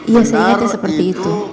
iya saya ingatnya seperti itu